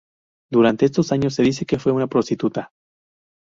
Durante estos años, se dice que fue prostituta.